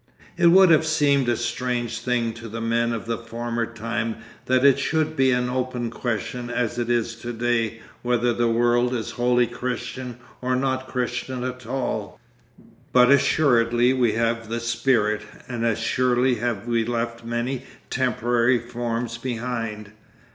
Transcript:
It would have seemed a strange thing to the men of the former time that it should be an open question as it is to day whether the world is wholly Christian or not Christian at all. But assuredly we have the spirit, and as surely have we left many temporary forms behind.